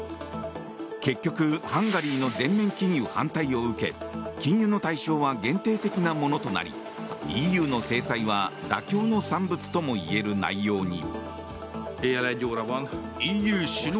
結局ハンガリーの全面禁輸反対を受け禁輸の対象は限定的なものとなりＥＵの制裁は妥協の産物ともいえる内容に。